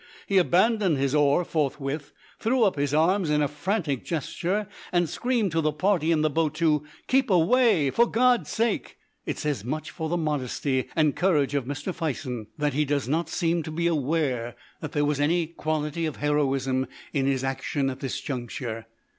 He abandoned his oar forthwith, threw up his arms in a frantic gesture, and screamed to the party in the boat to keep away "for God's sake!" It says much for the modesty and courage of Mr. Fison that he does not seem to be aware that there was any quality of heroism in his action at this juncture.